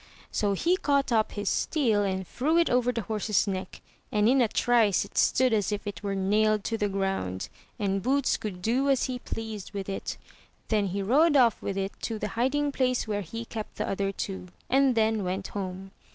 *' So he caught up his steel and threw it over the horse's neck, and in a trice it stood as if it were nailed to the ground, and Boots could do as he pleased with it. Then he rode ofif with it to the hiding place where he kept the other two, and then went home.